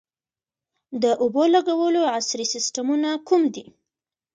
د اوبو لګولو عصري سیستمونه کوم دي؟